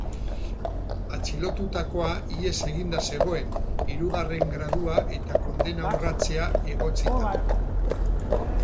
Atxilotutakoa ihes eginda zegoen, hirugarren gradua eta kondena urratzea egotzita.